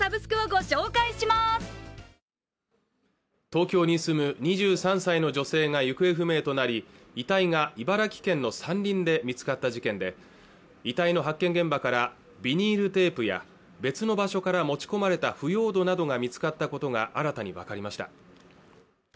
東京に住む２３歳の女性が行方不明となり遺体が茨城県の山林で見つかった事件で遺体の発見現場からビニールテープや別の場所から持ち込まれた腐葉土などが見つかったことが新たに分かりました